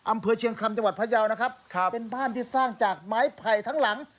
อำเภอเชียงคำจังหวัดพยาวนะครับครับเป็นบ้านที่สร้างจากไม้ไผ่ทั้งหลัง